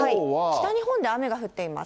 北日本で雨が降っています。